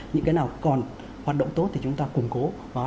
những cái nào còn hoạt động tốt thì chúng ta củng cố